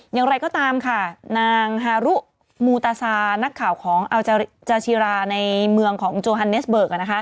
อย่างไรก็ตามค่ะนางฮารุมูตาซานักข่าวของอัลจาชิราในเมืองของโจฮันเนสเบิก